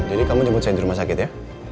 jadi kamu jemput saya di rumah sakit ya